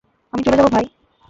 আমি চলে যাব, ভাই?